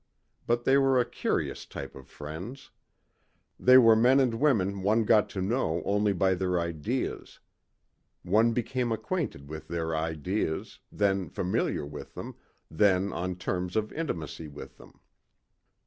But they were a curious type of friends. They were men and women one got to know only by their ideas. One became acquainted with their ideas, then familiar with them, then on terms of intimacy with them.